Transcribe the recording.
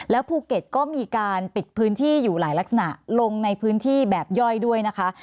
ภูเก็ตก็มีการปิดพื้นที่อยู่หลายลักษณะลงในพื้นที่แบบย่อยด้วยนะคะ